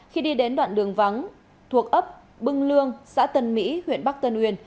khi đi đến đoạn đường vắng thuộc ấp bưng xã tân mỹ huyện bắc tân uyên